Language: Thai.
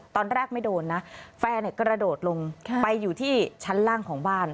ตอนแรกไม่โดนนะแฟนกระโดดลงไปอยู่ที่ชั้นล่างของบ้าน